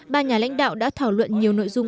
ba nhà lãnh đạo đã thảo luận nhiều nội dung